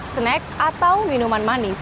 snack atau minuman manis